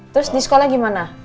terus di sekolah gimana